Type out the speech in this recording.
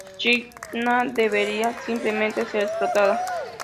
China debería simplemente ser explotada.